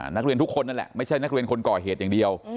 นักเรียนทุกคนนั่นแหละไม่ใช่นักเรียนคนก่อเหตุอย่างเดียว